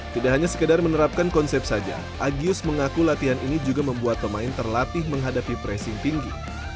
tidak hanya sekedar menerapkan konsep saja agius mengaku latihan ini juga membuat pemain terlatih menghadapi pressing tinggi